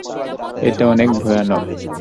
এটা অনেক ভয়ানক।